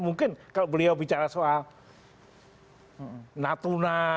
mungkin kalau beliau bicara soal natuna